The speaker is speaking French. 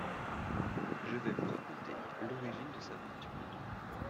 Je vais vous raconter l’origine de sa fortune.